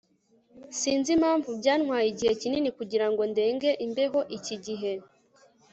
Sinzi impamvu byantwaye igihe kinini kugirango ndenge imbeho iki gihe